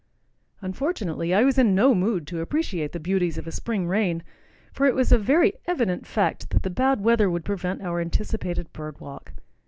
Unfortunately, I was in no mood to appreciate the beauties of a spring rain, for it was a very evident fact that the bad weather would prevent our anticipated bird walk.